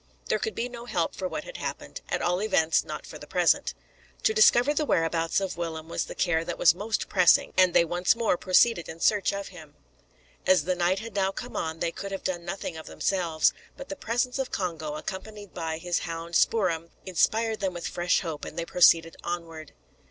There could be no help for what had happened, at all events, not for the present. To discover the whereabouts of Willem was the care that was most pressing, and they one more proceeded in search of him. As the night had now come on they could have done nothing of themselves, but the presence of Congo, accompanied by his hound Spoor'em, inspired them with fresh hope, and they proceeded onward.